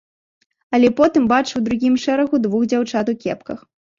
Але потым бачу ў другім шэрагу двух дзяўчат у кепках.